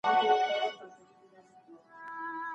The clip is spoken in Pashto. نوي تجربې ژوند په زړه پوري کوي.